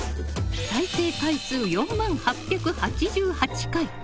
再生回数、４万８８８回。